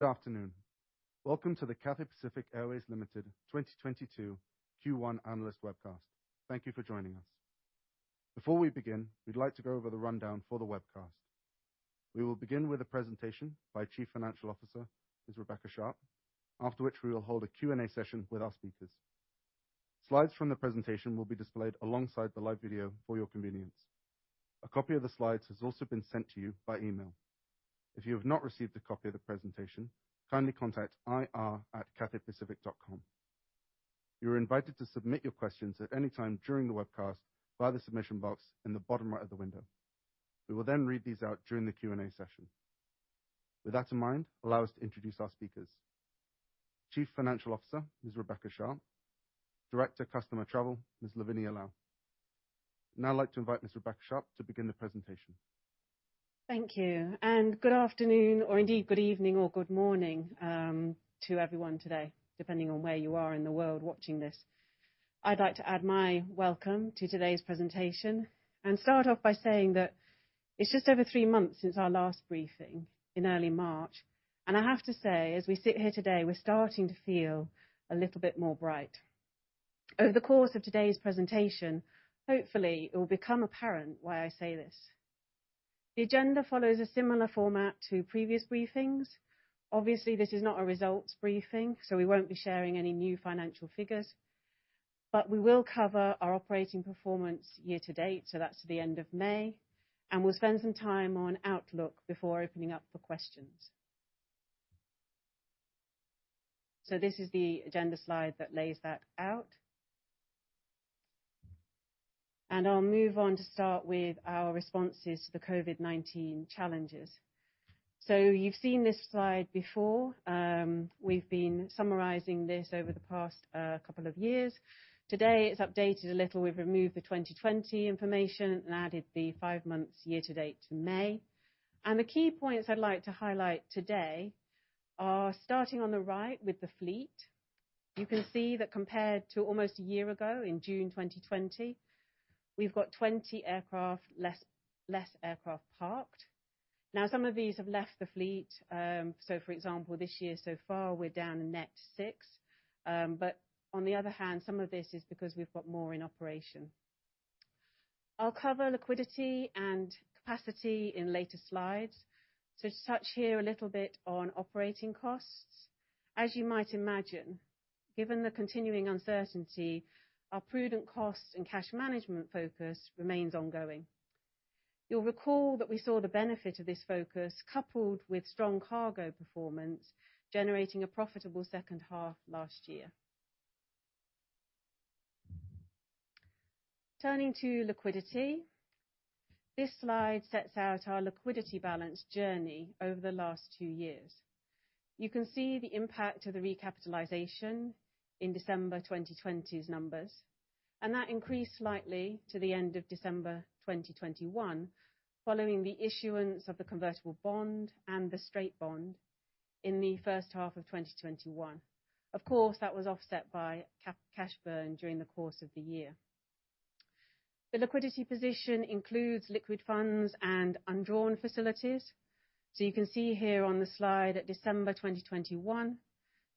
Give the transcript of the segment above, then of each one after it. Good afternoon. Welcome to the Cathay Pacific Airways Limited 2022 Q1 analyst webcast. Thank you for joining us. Before we begin, we'd like to go over the rundown for the webcast. We will begin with a presentation by Chief Financial Officer, Ms. Rebecca Sharpe, after which we will hold a Q&A session with our speakers. Slides from the presentation will be displayed alongside the live video for your convenience. A copy of the slides has also been sent to you by email. If you have not received a copy of the presentation, kindly contact ir@cathaypacific.com. You are invited to submit your questions at any time during the webcast via the submission box in the bottom right of the window. We will then read these out during the Q&A session. With that in mind, allow us to introduce our speakers. Chief Financial Officer, Ms. Rebecca Sharpe, Director Customer Travel, Ms. Lavinia Lau. Now I'd like to invite Ms. Rebecca Sharpe to begin the presentation. Thank you, and good afternoon or indeed good evening or good morning, to everyone today, depending on where you are in the world watching this. I'd like to add my welcome to today's presentation and start off by saying that it's just over three months since our last briefing in early March, and I have to say, as we sit here today, we're starting to feel a little bit more bright. Over the course of today's presentation, hopefully it will become apparent why I say this. The agenda follows a similar format to previous briefings. Obviously, this is not a results briefing, so we won't be sharing any new financial figures, but we will cover our operating performance year-to-date, so that's the end of May, and we'll spend some time on outlook before opening up for questions. This is the agenda slide that lays that out. I'll move on to start with our responses to the COVID-19 challenges. You've seen this slide before. We've been summarizing this over the past couple of years. Today, it's updated a little. We've removed the 2020 information and added the five months year-to-date to May. The key points I'd like to highlight today are starting on the right with the fleet. You can see that compared to almost a year ago in June 2020, we've got 20 aircraft, less aircraft parked. Now, some of these have left the fleet, so for example, this year so far, we're down net six. But on the other hand, some of this is because we've got more in operation. I'll cover liquidity and capacity in later slides. To touch here a little bit on operating costs. As you might imagine, given the continuing uncertainty, our prudent costs and cash management focus remains ongoing. You'll recall that we saw the benefit of this focus coupled with strong cargo performance, generating a profitable second half last year. Turning to liquidity. This slide sets out our liquidity balance journey over the last two years. You can see the impact of the recapitalization in December 2020's numbers, and that increased slightly to the end of December 2021, following the issuance of the convertible bond and the straight bond in the first half of 2021. Of course, that was offset by cash burn during the course of the year. The liquidity position includes liquid funds and undrawn facilities. So you can see here on the slide at December 2021,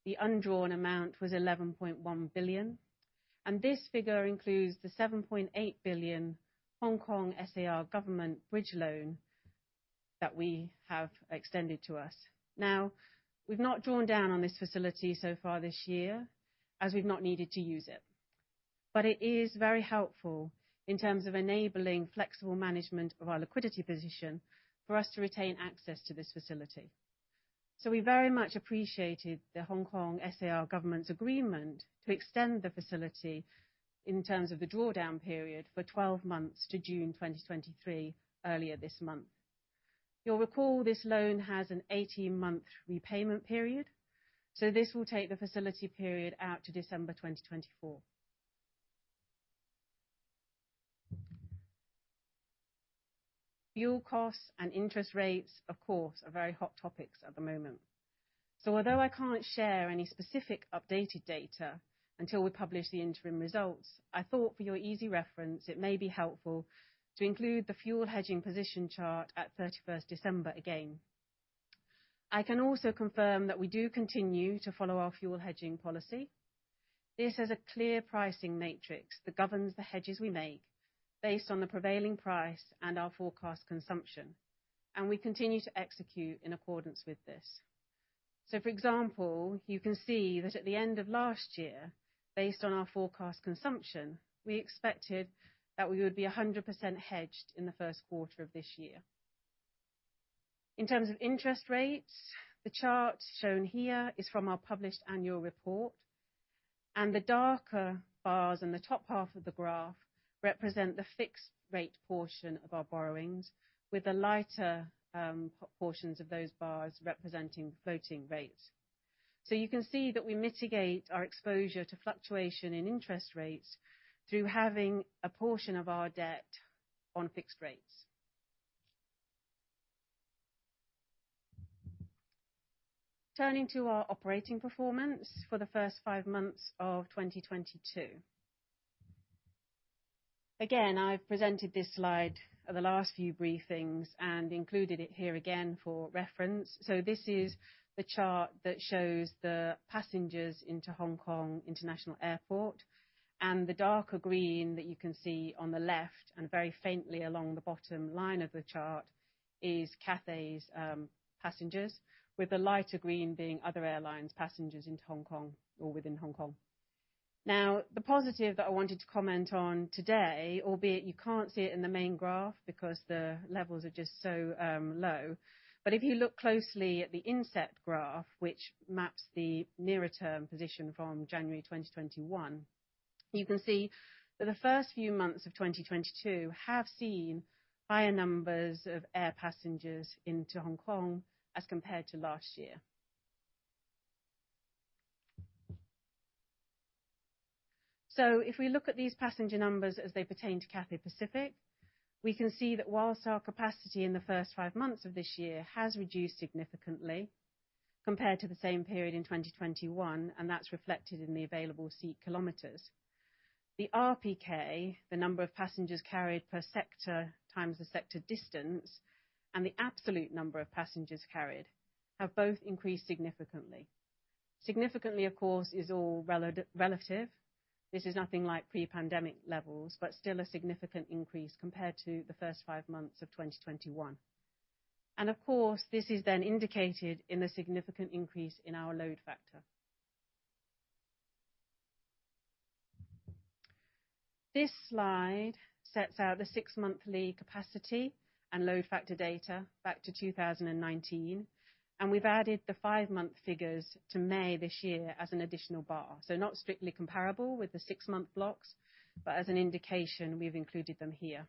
the undrawn amount was 11.1 billion. This figure includes the HKD 7.8 billion Hong Kong SAR Government bridge loan that we have extended to us. Now, we've not drawn down on this facility so far this year as we've not needed to use it. It is very helpful in terms of enabling flexible management of our liquidity position for us to retain access to this facility. We very much appreciated the Hong Kong SAR Government's agreement to extend the facility in terms of the drawdown period for 12 months to June 2023 earlier this month. You'll recall this loan has an 18-month repayment period, so this will take the facility period out to December 2024. Fuel costs and interest rates, of course, are very hot topics at the moment. Although I can't share any specific updated data until we publish the interim results, I thought for your easy reference, it may be helpful to include the fuel hedging position chart at 31st December again. I can also confirm that we do continue to follow our fuel hedging policy. This is a clear pricing matrix that governs the hedges we make based on the prevailing price and our forecast consumption, and we continue to execute in accordance with this. For example, you can see that at the end of last year, based on our forecast consumption, we expected that we would be 100% hedged in the first quarter of this year. In terms of interest rates, the chart shown here is from our published annual report, and the darker bars in the top half of the graph represent the fixed rate portion of our borrowings with the lighter, portions of those bars representing floating rates. You can see that we mitigate our exposure to fluctuation in interest rates through having a portion of our debt on fixed rates. Turning to our operating performance for the first five months of 2022. Again, I've presented this slide at the last few briefings and included it here again for reference. This is the chart that shows the passengers into Hong Kong International Airport. The darker green that you can see on the left and very faintly along the bottom line of the chart is Cathay's passengers, with the lighter green being other airlines' passengers into Hong Kong or within Hong Kong. Now, the positive that I wanted to comment on today, albeit you can't see it in the main graph because the levels are just so low, but if you look closely at the inset graph, which maps the nearer term position from January 2021, you can see that the first few months of 2022 have seen higher numbers of air passengers into Hong Kong as compared to last year. If we look at these passenger numbers as they pertain to Cathay Pacific, we can see that while our capacity in the first five months of this year has reduced significantly compared to the same period in 2021, and that's reflected in the available seat kilometers. The RPK, the number of passengers carried per sector times the sector distance, and the absolute number of passengers carried have both increased significantly. Significantly, of course, is all relative. This is nothing like pre-pandemic levels, but still a significant increase compared to the first five months of 2021. Of course, this is then indicated in the significant increase in our load factor. This slide sets out the six monthly capacity and load factor data back to 2019, and we've added the five-month figures to May this year as an additional bar. Not strictly comparable with the six-month blocks, but as an indication, we've included them here.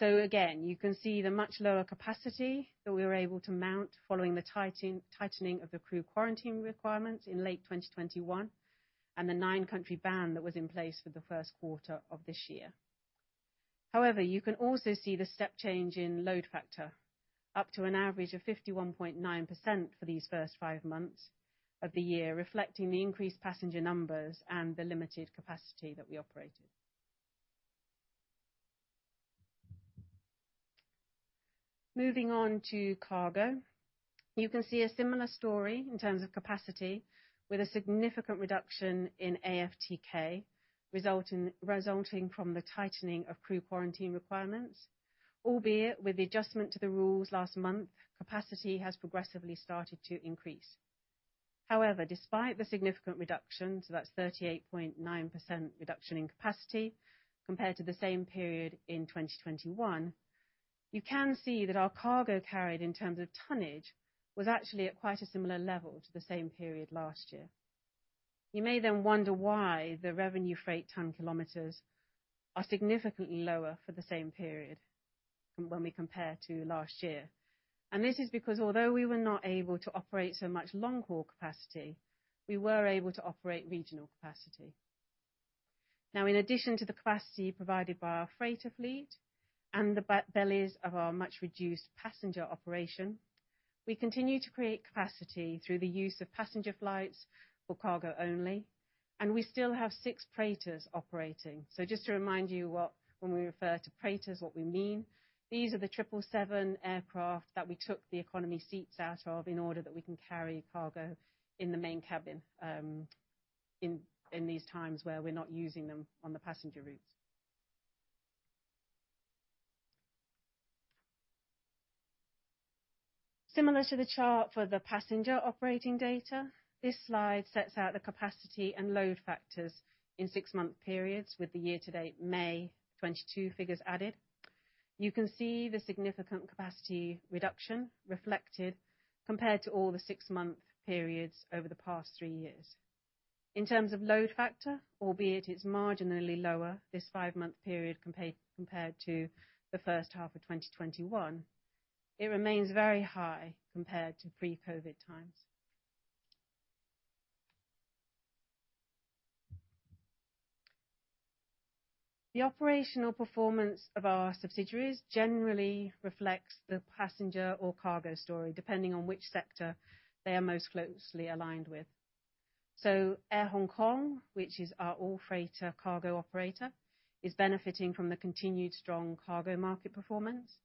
Again, you can see the much lower capacity that we were able to mount following the tightening of the crew quarantine requirements in late 2021 and the nine-country ban that was in place for the first quarter of this year. However, you can also see the step change in load factor up to an average of 51.9% for these first five months of the year, reflecting the increased passenger numbers and the limited capacity that we operated. Moving on to cargo. You can see a similar story in terms of capacity with a significant reduction in AFTK, resulting from the tightening of crew quarantine requirements, albeit with the adjustment to the rules last month, capacity has progressively started to increase. However, despite the significant reduction, so that's a 38.9% reduction in capacity compared to the same period in 2021, you can see that our cargo carried in terms of tonnage was actually at quite a similar level to the same period last year. You may then wonder why the revenue freight ton kilometers are significantly lower for the same period from when we compare to last year. This is because although we were not able to operate so much long-haul capacity, we were able to operate regional capacity. Now, in addition to the capacity provided by our freighter fleet and the bellies of our much-reduced passenger operation, we continue to create capacity through the use of passenger flights for cargo only, and we still have 6 preighters operating. Just to remind you what, when we refer to preighters, what we mean. These are the 777 aircraft that we took the economy seats out of in order that we can carry cargo in the main cabin in these times where we're not using them on the passenger routes. Similar to the chart for the passenger operating data, this slide sets out the capacity and load factors in six-month periods with the year-to-date May 2022 figures added. You can see the significant capacity reduction reflected compared to all the six-month periods over the past three years. In terms of load factor, albeit it's marginally lower this five-month period compared to the first half of 2021, it remains very high compared to pre-COVID times. The operational performance of our subsidiaries generally reflects the passenger or cargo story, depending on which sector they are most closely aligned with. Air Hong Kong, which is our all-freighter cargo operator, is benefiting from the continued strong cargo market performance,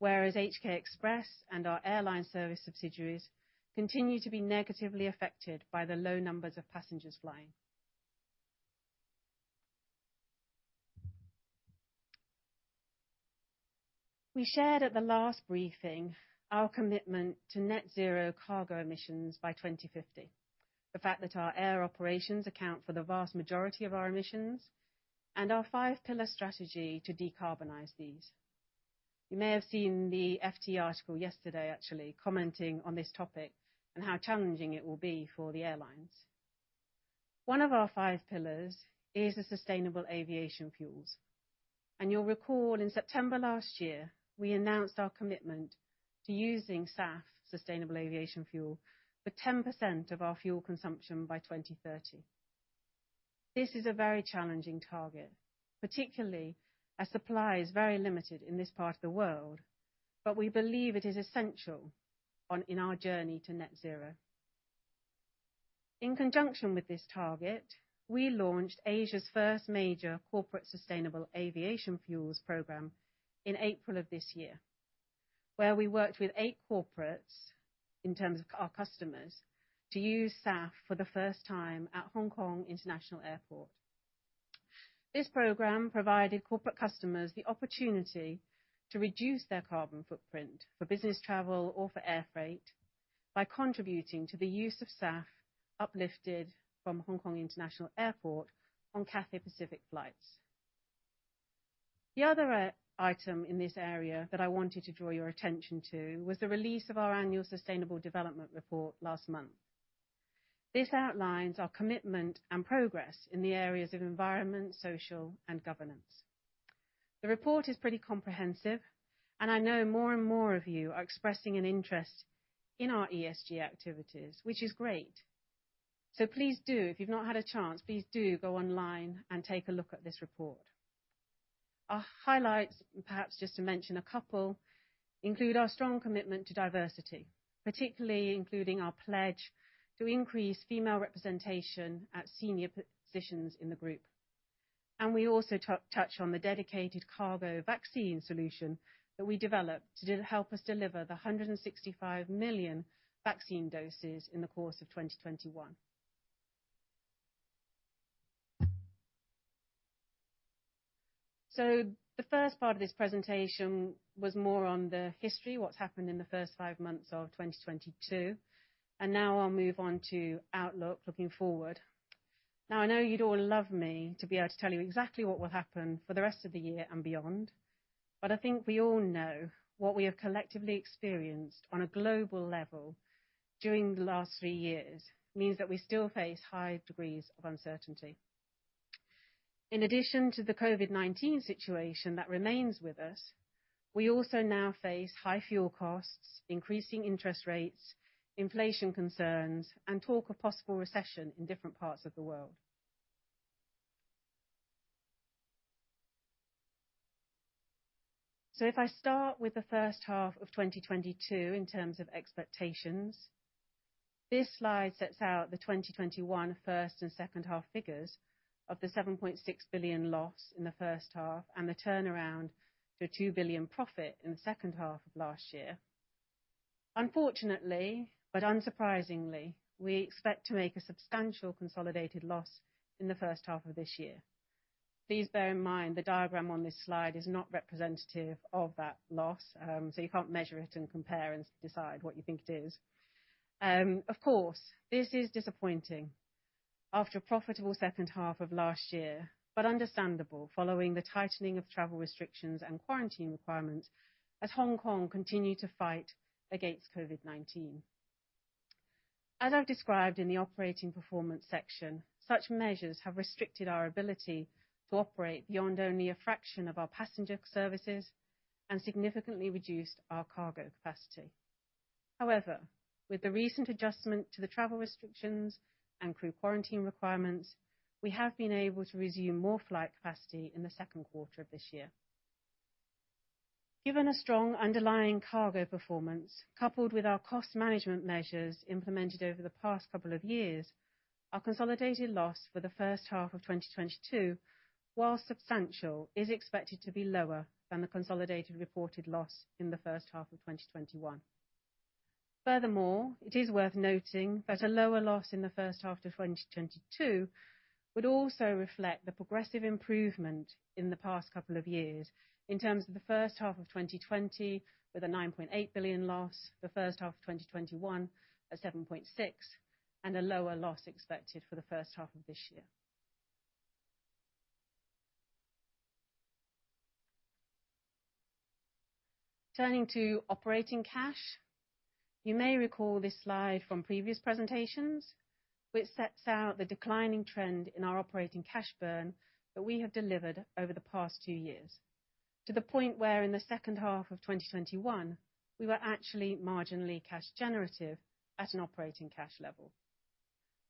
whereas HK Express and our airline service subsidiaries continue to be negatively affected by the low numbers of passengers flying. We shared at the last briefing our commitment to net zero cargo emissions by 2050. The fact that our air operations account for the vast majority of our emissions and our five pillar strategy to decarbonize these. You may have seen the FT article yesterday actually commenting on this topic and how challenging it will be for the airlines. One of our five pillars is the sustainable aviation fuels. You'll recall in September last year, we announced our commitment to using SAF, sustainable aviation fuel, for 10% of our fuel consumption by 2030. This is a very challenging target, particularly as supply is very limited in this part of the world, but we believe it is essential in our journey to net zero. In conjunction with this target, we launched Asia's first major corporate sustainable aviation fuels program in April of this year, where we worked with eight corporates, in terms of our customers, to use SAF for the first time at Hong Kong International Airport. This program provided corporate customers the opportunity to reduce their carbon footprint for business travel or for air freight by contributing to the use of SAF uplifted from Hong Kong International Airport on Cathay Pacific flights. The other item in this area that I wanted to draw your attention to was the release of our annual sustainable development report last month. This outlines our commitment and progress in the areas of environment, social, and governance. The report is pretty comprehensive, and I know more and more of you are expressing an interest in our ESG activities, which is great. Please do, if you've not had a chance, please do go online and take a look at this report. Our highlights, and perhaps just to mention a couple, include our strong commitment to diversity, particularly including our pledge to increase female representation at senior positions in the group. We also touch on the dedicated cargo vaccine solution that we developed to help us deliver the 165 million vaccine doses in the course of 2021. The first part of this presentation was more on the history, what's happened in the first five months of 2022, and now I'll move on to outlook, looking forward. Now, I know you'd all love me to be able to tell you exactly what will happen for the rest of the year and beyond, but I think we all know what we have collectively experienced on a global level during the last three years means that we still face high degrees of uncertainty. In addition to the COVID-19 situation that remains with us, we also now face high fuel costs, increasing interest rates, inflation concerns, and talk of possible recession in different parts of the world. If I start with the first half of 2022 in terms of expectations, this slide sets out the 2021 first and second half figures of the 7.6 billion loss in the first half, and the turnaround to a 2 billion profit in the second half of last year. Unfortunately, but unsurprisingly, we expect to make a substantial consolidated loss in the first half of this year. Please bear in mind, the diagram on this slide is not representative of that loss, so you can't measure it and compare and decide what you think it is. Of course, this is disappointing after a profitable second half of last year, but understandable following the tightening of travel restrictions and quarantine requirements as Hong Kong continue to fight against COVID-19. As I've described in the operating performance section, such measures have restricted our ability to operate beyond only a fraction of our passenger services and significantly reduced our cargo capacity. However, with the recent adjustment to the travel restrictions and crew quarantine requirements, we have been able to resume more flight capacity in the second quarter of this year. Given a strong underlying cargo performance, coupled with our cost management measures implemented over the past couple of years, our consolidated loss for the first half of 2022, while substantial, is expected to be lower than the consolidated reported loss in the first half of 2021. Furthermore, it is worth noting that a lower loss in the first half of 2022 would also reflect the progressive improvement in the past couple of years in terms of the first half of 2020 with a 9.8 billion loss, the first half of 2021 at 7.6 billion, and a lower loss expected for the first half of this year. Turning to operating cash, you may recall this slide from previous presentations, which sets out the declining trend in our operating cash burn that we have delivered over the past two years, to the point where in the second half of 2021, we were actually marginally cash generative at an operating cash level.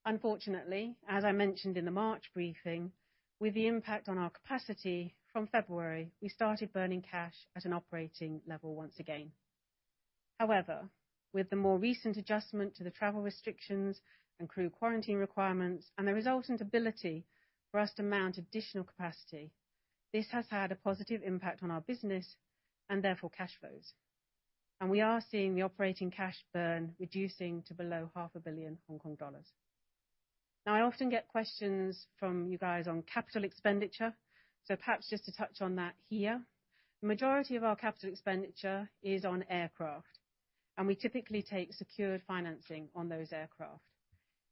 Unfortunately, as I mentioned in the March briefing, with the impact on our capacity from February, we started burning cash at an operating level once again. However, with the more recent adjustment to the travel restrictions and crew quarantine requirements and the resultant ability for us to mount additional capacity, this has had a positive impact on our business and therefore cash flows, and we are seeing the operating cash burn reducing to below 500,000,000 Hong Kong dollars. Now, I often get questions from you guys on capital expenditure, so perhaps just to touch on that here. The majority of our capital expenditure is on aircraft, and we typically take secured financing on those aircraft.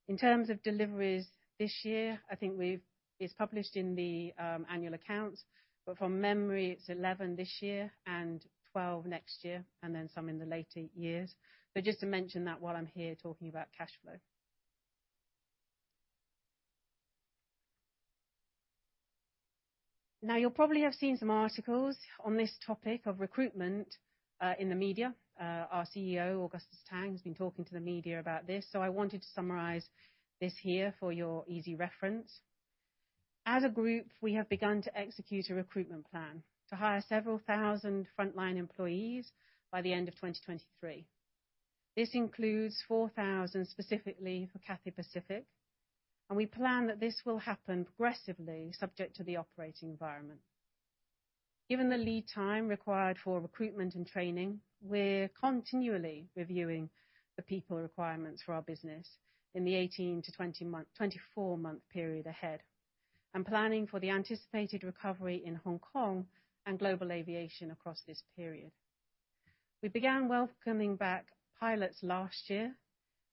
In terms of deliveries this year, I think it's published in the annual accounts, but from memory, it's 11 this year and 12 next year, and then some in the later years, but just to mention that while I'm here talking about cash flow. Now, you'll probably have seen some articles on this topic of recruitment in the media. Our CEO, Augustus Tang, has been talking to the media about this, so I wanted to summarize this here for your easy reference. As a group, we have begun to execute a recruitment plan to hire several thousand frontline employees by the end of 2023. This includes 4,000 specifically for Cathay Pacific, and we plan that this will happen progressively subject to the operating environment. Given the lead time required for recruitment and training, we're continually reviewing the people requirements for our business in the 18-24-month period ahead, and planning for the anticipated recovery in Hong Kong and global aviation across this period. We began welcoming back pilots last year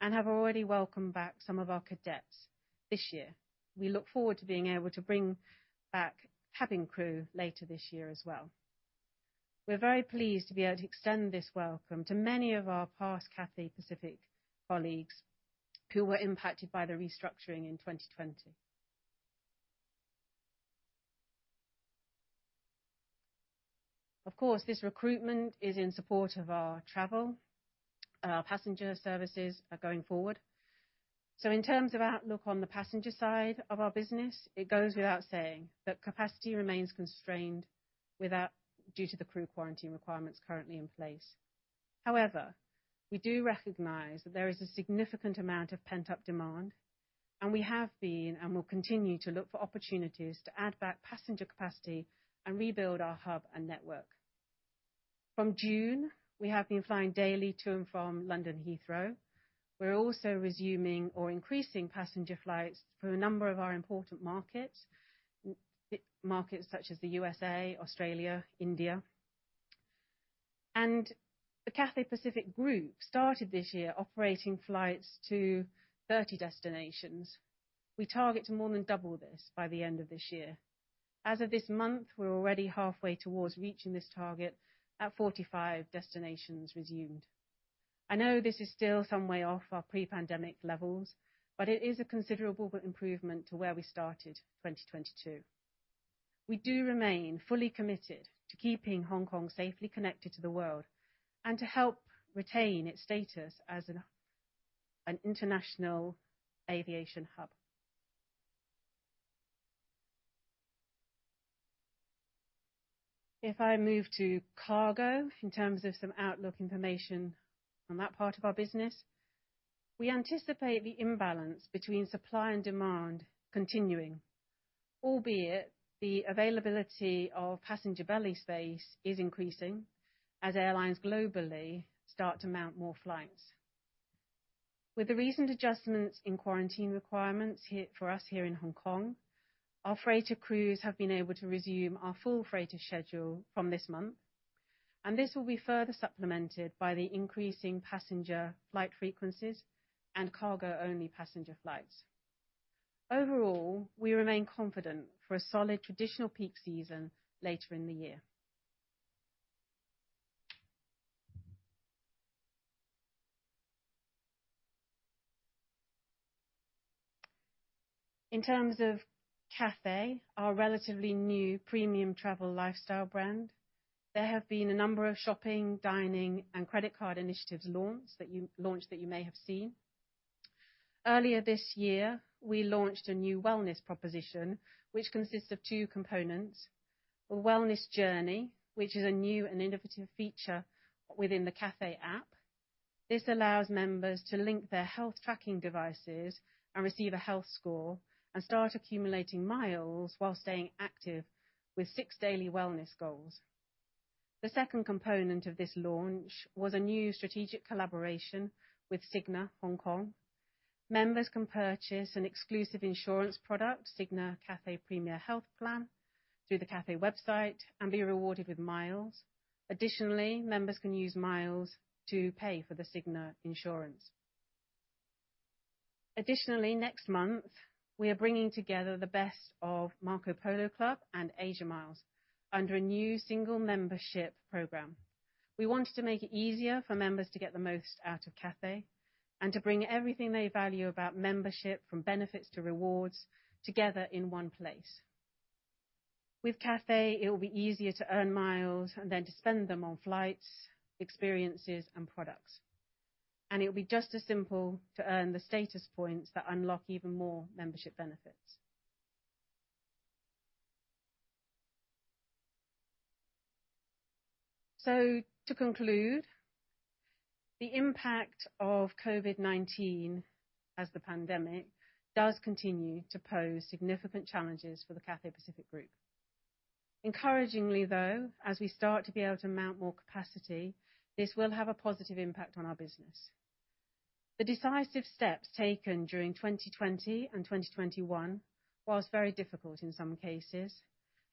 and have already welcomed back some of our cadets this year. We look forward to being able to bring back cabin crew later this year as well. We're very pleased to be able to extend this welcome to many of our past Cathay Pacific colleagues who were impacted by the restructuring in 2020. Of course, this recruitment is in support of our travel. Our passenger services are going forward. In terms of outlook on the passenger side of our business, it goes without saying that capacity remains constrained due to the crew quarantine requirements currently in place. However, we do recognize that there is a significant amount of pent-up demand, and we have been, and will continue to look for opportunities to add back passenger capacity and rebuild our hub and network. From June, we have been flying daily to and from London Heathrow. We're also resuming or increasing passenger flights for a number of our important markets. Markets such as the USA, Australia, India. The Cathay Pacific Group started this year operating flights to 30 destinations. We target to more than double this by the end of this year. As of this month, we're already halfway towards reaching this target at 45 destinations resumed. I know this is still some way off our pre-pandemic levels, but it is a considerable improvement to where we started 2022. We do remain fully committed to keeping Hong Kong safely connected to the world, and to help retain its status as an international aviation hub. If I move to cargo in terms of some outlook information on that part of our business, we anticipate the imbalance between supply and demand continuing, albeit the availability of passenger belly space is increasing as airlines globally start to mount more flights. With the recent adjustments in quarantine requirements here, for us here in Hong Kong, our freighter crews have been able to resume our full freighter schedule from this month, and this will be further supplemented by the increasing passenger flight frequencies and cargo-only passenger flights. Overall, we remain confident for a solid traditional peak season later in the year. In terms of Cathay, our relatively new premium travel lifestyle brand, there have been a number of shopping, dining, and credit card initiatives launched that you may have seen. Earlier this year, we launched a new wellness proposition, which consists of two components, a wellness journey, which is a new and innovative feature within the Cathay app. This allows members to link their health tracking devices and receive a health score, and start accumulating miles while staying active with six daily wellness goals. The second component of this launch was a new strategic collaboration with Cigna Hong Kong. Members can purchase an exclusive insurance product, Cigna Cathay Premier Health Plan, through the Cathay website and be rewarded with miles. Additionally, members can use miles to pay for the Cigna insurance. Additionally, next month, we are bringing together the best of Marco Polo Club and Asia Miles under a new single membership program. We wanted to make it easier for members to get the most out of Cathay, and to bring everything they value about membership from benefits to rewards together in one place. With Cathay, it will be easier to earn miles and then to spend them on flights, experiences, and products. It'll be just as simple to earn the status points that unlock even more membership benefits. To conclude, the impact of COVID-19, as the pandemic does continue to pose significant challenges for the Cathay Pacific Group. Encouragingly, though, as we start to be able to mount more capacity, this will have a positive impact on our business. The decisive steps taken during 2020 and 2021, while very difficult in some cases,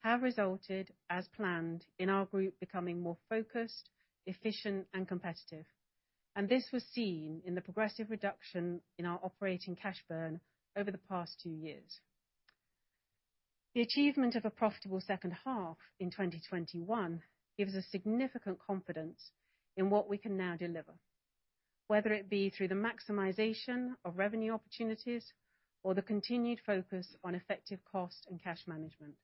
have resulted, as planned, in our group becoming more focused, efficient, and competitive. This was seen in the progressive reduction in our operating cash burn over the past two years. The achievement of a profitable second half in 2021 gives us significant confidence in what we can now deliver, whether it be through the maximization of revenue opportunities or the continued focus on effective cost and cash management.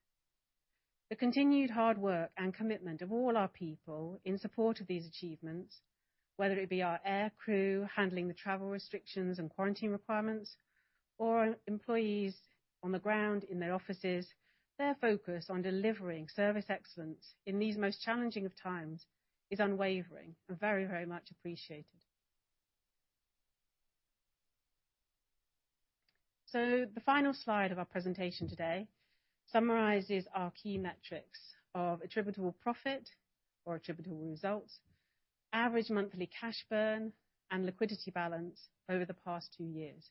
The continued hard work and commitment of all our people in support of these achievements, whether it be our air crew handling the travel restrictions and quarantine requirements, or employees on the ground in their offices, their focus on delivering service excellence in these most challenging of times is unwavering and very, very much appreciated. The final slide of our presentation today summarizes our key metrics of attributable profit or attributable results, average monthly cash burn, and liquidity balance over the past two years.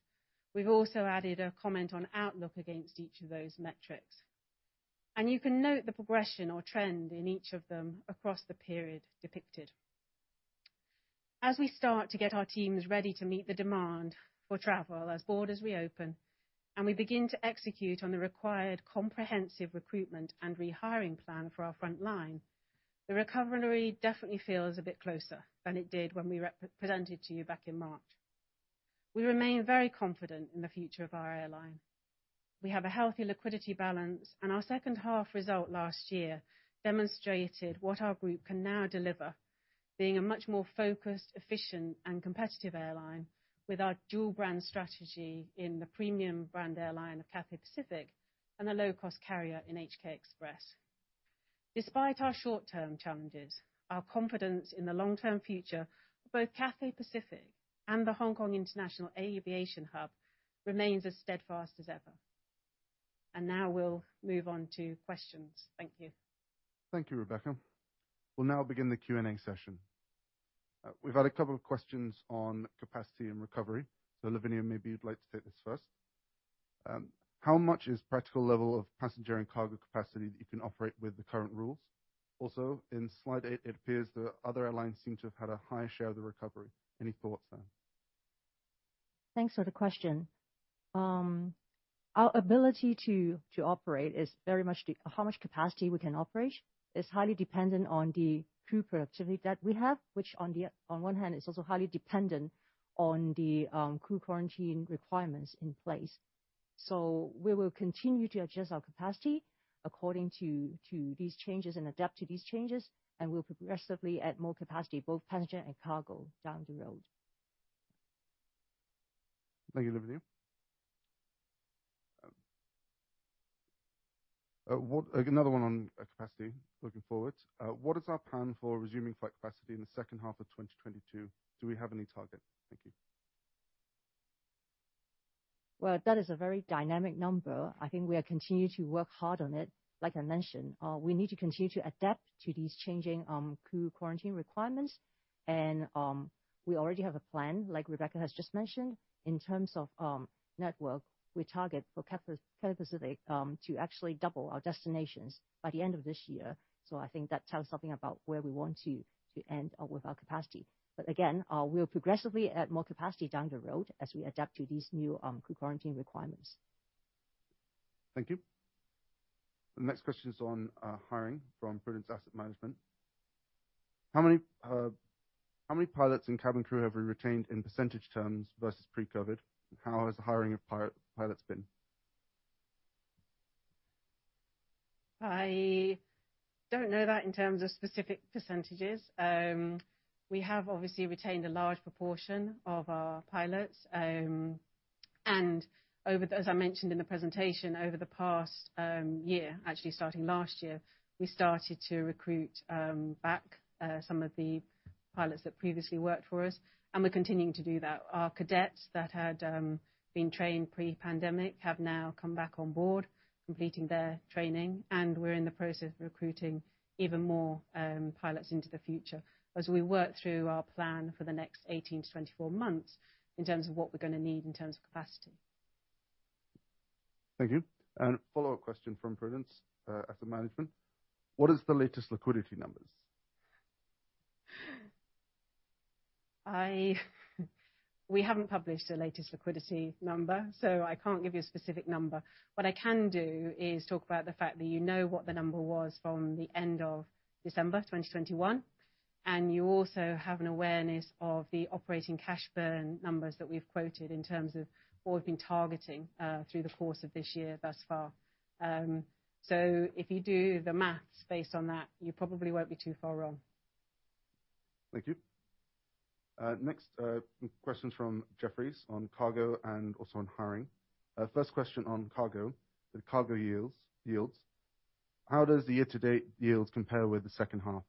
We've also added a comment on outlook against each of those metrics. You can note the progression or trend in each of them across the period depicted. As we start to get our teams ready to meet the demand for travel as borders reopen, and we begin to execute on the required comprehensive recruitment and rehiring plan for our front line, the recovery definitely feels a bit closer than it did when we presented to you back in March. We remain very confident in the future of our airline. We have a healthy liquidity balance, and our second half result last year demonstrated what our group can now deliver, being a much more focused, efficient, and competitive airline with our dual brand strategy in the premium brand airline of Cathay Pacific and a low-cost carrier in HK Express. Despite our short-term challenges, our confidence in the long-term future of both Cathay Pacific and the Hong Kong International Aviation Hub remains as steadfast as ever. Now we'll move on to questions. Thank you. Thank you, Rebecca. We'll now begin the Q&A session. We've had a couple of questions on capacity and recovery. Lavinia, maybe you'd like to take this first. How much is practical level of passenger and cargo capacity that you can operate with the current rules? Also, in slide eight, it appears that other airlines seem to have had a higher share of the recovery. Any thoughts there? Thanks for the question. Our ability to operate is very much how much capacity we can operate is highly dependent on the crew productivity that we have, which on one hand is also highly dependent on the crew quarantine requirements in place. We will continue to adjust our capacity according to these changes and adapt to these changes, and we'll progressively add more capacity, both passenger and cargo, down the road. Thank you, Lavinia. Another one on capacity looking forward. What is our plan for resuming flight capacity in the second half of 2022? Do we have any target? Thank you. Well, that is a very dynamic number. I think we continue to work hard on it. Like I mentioned, we need to continue to adapt to these changing crew quarantine requirements. We already have a plan, like Rebecca has just mentioned, in terms of network. We target for Cathay Pacific to actually double our destinations by the end of this year. I think that tells something about where we want to end with our capacity. We'll progressively add more capacity down the road as we adapt to these new crew quarantine requirements. Thank you. The next question's on hiring from Prudential Asset Management. How many pilots and cabin crew have we retained in percentage terms versus pre-COVID, and how has the hiring of pilots been? I don't know that in terms of specific percentages. We have obviously retained a large proportion of our pilots. As I mentioned in the presentation, over the past year, actually starting last year, we started to recruit back some of the pilots that previously worked for us, and we're continuing to do that. Our cadets that had been trained pre-pandemic have now come back on board, completing their training, and we're in the process of recruiting even more pilots into the future as we work through our plan for the next 18-24 months in terms of what we're gonna need in terms of capacity. Thank you. A follow-up question from Prudential Asset Management. What is the latest liquidity numbers? We haven't published the latest liquidity number, so I can't give you a specific number. What I can do is talk about the fact that you know what the number was from the end of December 2021, and you also have an awareness of the operating cash burn numbers that we've quoted in terms of what we've been targeting through the course of this year thus far. If you do the math based on that, you probably won't be too far wrong. Thank you. Next, question's from Jefferies on cargo and also on hiring. First question on cargo, the cargo yields. How does the year-to-date yields compare with the second half?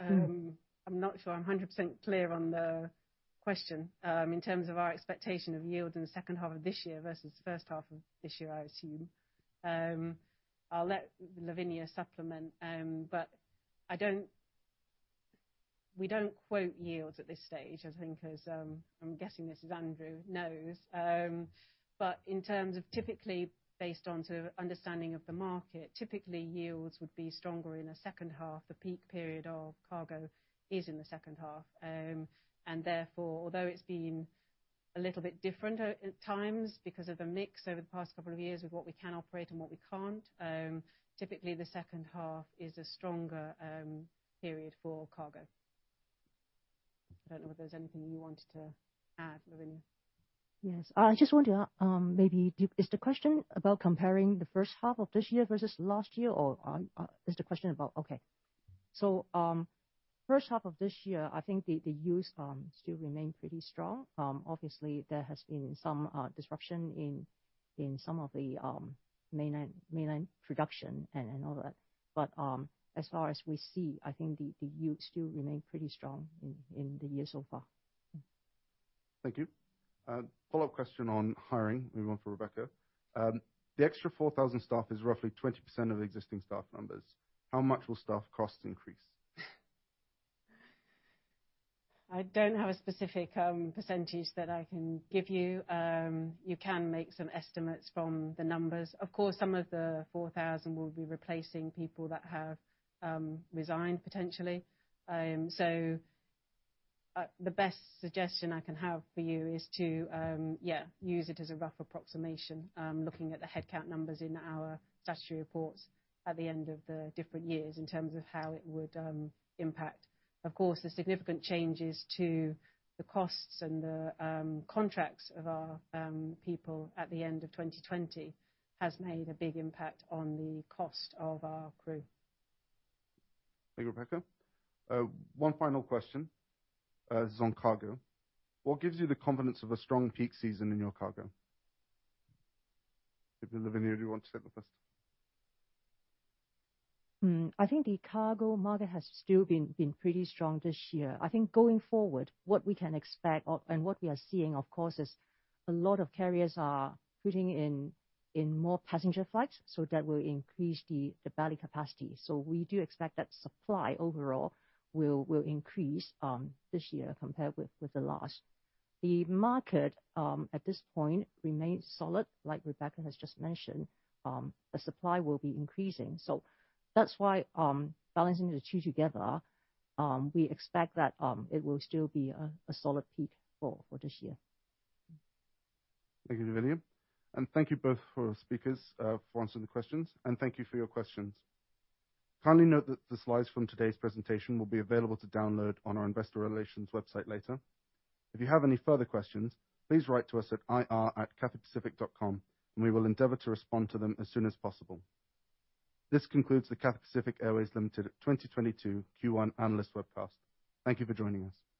I'm not sure I'm 100% clear on the question. In terms of our expectation of yield in the second half of this year versus the first half of this year, I assume. I'll let Lavinia supplement. We don't quote yields at this stage, I think, as I'm guessing as Andrew knows. In terms of typically based on sort of understanding of the market, typically yields would be stronger in the second half. The peak period of cargo is in the second half. Therefore, although it's been a little bit different at times because of the mix over the past couple of years with what we can operate and what we can't, typically the second half is a stronger period for cargo. I don't know if there's anything you wanted to add, Lavinia? Yes. Is the question about comparing the first half of this year versus last year? Okay. First half of this year, I think the use still remain pretty strong. Obviously, there has been some disruption in some of the mainland production and all that. As far as we see, I think the use still remain pretty strong in the year so far. Thank you. Follow-up question on hiring. Maybe one for Rebecca. The extra 4,000 staff is roughly 20% of existing staff numbers. How much will staff costs increase? I don't have a specific percentage that I can give you. You can make some estimates from the numbers. Of course, some of the 4,000 will be replacing people that have resigned potentially. The best suggestion I can have for you is to, yeah, use it as a rough approximation, looking at the headcount numbers in our statutory reports at the end of the different years in terms of how it would impact. Of course, the significant changes to the costs and the contracts of our people at the end of 2020 has made a big impact on the cost of our crew. Thank you, Rebecca. One final question. This is on cargo. What gives you the confidence of a strong peak season in your cargo? Maybe Lavinia, do you want to take that first? I think the cargo market has still been pretty strong this year. I think going forward, what we can expect and what we are seeing, of course, is a lot of carriers are putting in more passenger flights, so that will increase the belly capacity. We do expect that supply overall will increase this year compared with the last. The market at this point remains solid. Like Rebecca has just mentioned, the supply will be increasing. That's why, balancing the two together, we expect that it will still be a solid peak for this year. Thank you, Lavinia. Thank you both for our speakers, for answering the questions. Thank you for your questions. Kindly note that the slides from today's presentation will be available to download on our investor relations website later. If you have any further questions, please write to us at ir@cathaypacific.com, and we will endeavor to respond to them as soon as possible. This concludes the Cathay Pacific Airways Limited 2022 Q1 analyst webcast. Thank you for joining us.